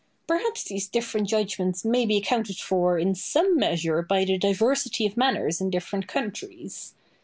Perhaps these different judgments may be accounted for in some measure by the diversity of manners in different countries.